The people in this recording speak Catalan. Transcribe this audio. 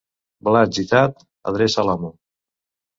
Blat gitat, adreça l'amo.